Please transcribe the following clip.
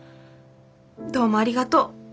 どうもありがとう。